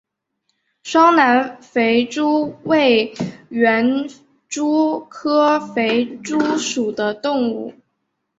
双南肥蛛为园蛛科肥蛛属的动物。